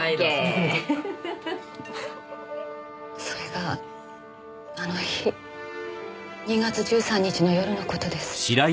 それがあの日２月１３日の夜の事です。